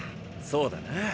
そうだな。